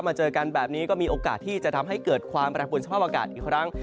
ถ้ามาเจอกันแบบนี้ก็มีโอกาสที่จะทำให้เกิดความประหลาดภูมิสภาพอากาศอีกครั้ง